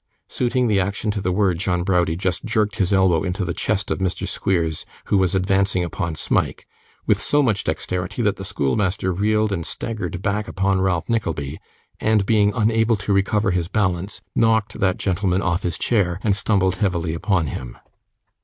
Suiting the action to the word, John Browdie just jerked his elbow into the chest of Mr. Squeers who was advancing upon Smike; with so much dexterity that the schoolmaster reeled and staggered back upon Ralph Nickleby, and being unable to recover his balance, knocked that gentleman off his chair, and stumbled heavily upon him.